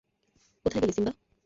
কোথায় গেলি, সিম্বা?